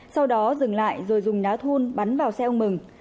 sau đó dừng lại rồi dùng đá thun bắn vào xe ông mừng